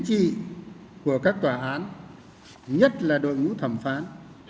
chính trị của các tòa án nhất là đội ngũ thẩm phán